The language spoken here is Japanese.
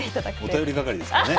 お便り係ですからね。